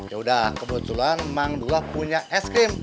yaudah kebetulan mang dula punya es krim